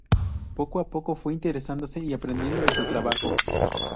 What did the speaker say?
Poco a poco fue interesándose y aprendiendo de su trabajo.